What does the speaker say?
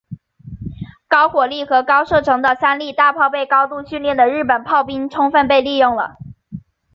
高火力和高射程的三笠大炮被高度训练的日本炮兵充分地利用了。